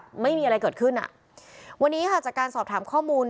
ไม่มีอะไรเกิดขึ้นอ่ะวันนี้ค่ะจากการสอบถามข้อมูล